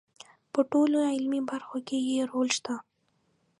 په ټولو علمي برخو کې یې رول شته.